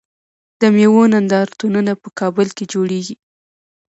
د میوو نندارتونونه په کابل کې جوړیږي.